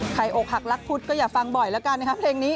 อกหักลักพุธก็อย่าฟังบ่อยแล้วกันนะครับเพลงนี้